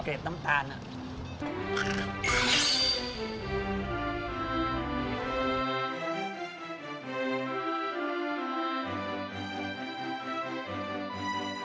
เกรดน้ำตาลอ่ะ